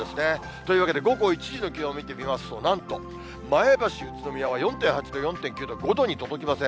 というわけで、午後１時の気温を見てみますと、なんと前橋、宇都宮は４．８度、４．９度、５度に届きません。